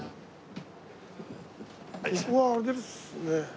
ここはあれですね。